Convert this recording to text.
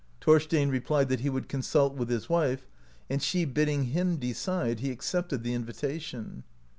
'* Thor stein replied that he would consult with his wife, and she bidding him decide, he accepted the invitation.